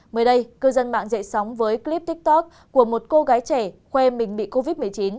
mới đây cư dân mạng dậy sóng với clip tiktok của một cô gái trẻ khoe mình bị covid một mươi chín